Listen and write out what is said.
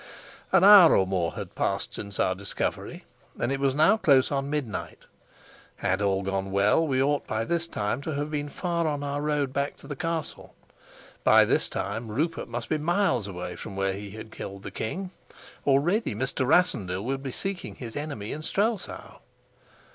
An hour or more had passed since our discovery, and it was now close on midnight. Had all gone well we ought by this time to have been far on our road back to the castle; by this time Rupert must be miles away from where he had killed the king; already Mr. Rassendyll would be seeking his enemy in Strelsau.